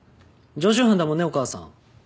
常習犯だもんねお母さん。